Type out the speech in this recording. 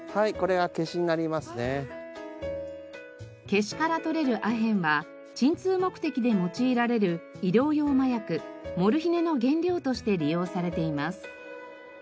ケシからとれるアヘンは鎮痛目的で用いられる医療用麻薬モルヒネの原料として利用されています。